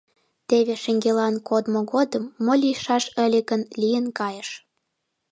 Теве шеҥгелан кодмо годым, мо лийшаш ыле гын, лийын кайыш.